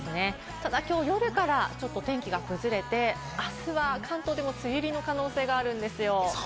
ただ、きょう夜からちょっと天気が崩れて、あすは関東でも梅雨入りの可能性があるんですよ。